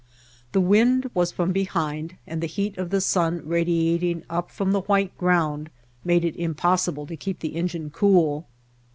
The wind was from behind and the heat of the sun radiating up from the white ground made it impossible to keep the engine cool.